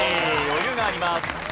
余裕があります。